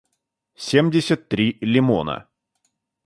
семьдесят три лимона